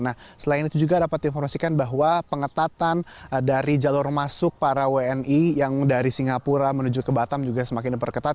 nah selain itu juga dapat diinformasikan bahwa pengetatan dari jalur masuk para wni yang dari singapura menuju ke batam juga semakin diperketat